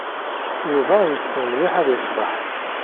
Yuba yessen mliḥ ad yecḍeḥ.